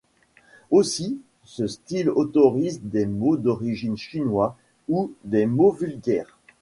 Aussi, ce style autorise des mots d'origine chinoise ou des mots vulgaires.